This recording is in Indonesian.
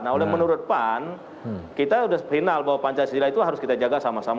nah oleh menurut pan kita sudah final bahwa pancasila itu harus kita jaga sama sama